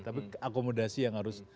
tapi akomodasi yang harus